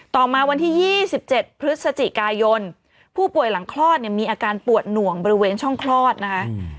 ต่อมาวันที่๒๗พฤศจิกายนผู้ป่วยหลังคลอดเนี่ยมีอาการปวดหน่วงบริเวณช่องคลอดนะคะ